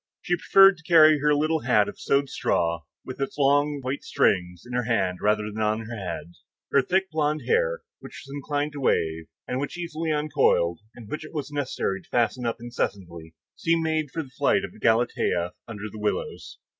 She preferred to carry her little hat of sewed straw, with its long white strings, in her hand rather than on her head. Her thick blond hair, which was inclined to wave, and which easily uncoiled, and which it was necessary to fasten up incessantly, seemed made for the flight of Galatea under the willows.